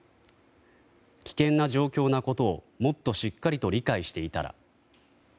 危険な状況なことをもっとしっかりと理解していたら。